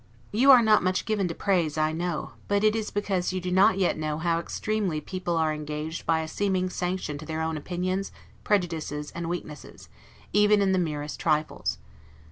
You are not much given to praise, I know; but it is because you do not yet know how extremely people are engaged by a seeming sanction to their own opinions, prejudices, and weaknesses, even in the merest trifles.